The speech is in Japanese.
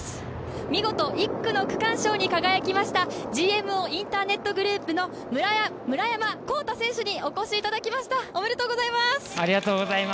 見事、１区の区間賞に輝きましたＧＭＯインターネットグループの村山紘太選手にお越しいただきました、おめでとうございます。